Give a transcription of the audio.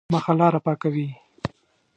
مخه لاره پاکوي.